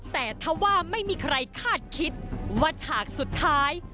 แต่ถ้าว่าไม่มีใครคาดคิดว่าฉากสุดท้าย